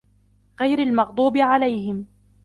غَيْرِ الْمَغْضُوبِ عَلَيْهِمْ